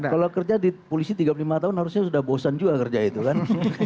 kalau kerja di polisi tiga puluh lima tahun harusnya sudah bosan juga kerja itu kan